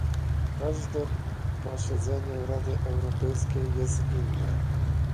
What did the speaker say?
Każde posiedzenie Rady Europejskiej jest inne